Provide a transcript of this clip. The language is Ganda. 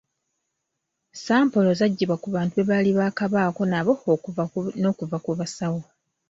Sampolo zaggyibwa ku bantu be baali baakabaako nabo n'okuva ku basawo.